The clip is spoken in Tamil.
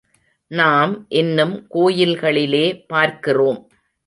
நாம் இன்னும் கோயில்களிலே பார்க்கிறோம்.